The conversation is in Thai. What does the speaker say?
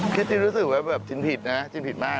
พี่จินรู้สึกว่าจินผิดนะจินผิดมาก